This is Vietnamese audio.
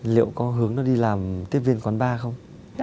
liệu có hướng nó đi làm tiếp viên quán ba không